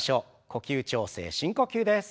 呼吸調整深呼吸です。